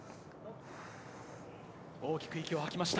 大きく息を吐きました。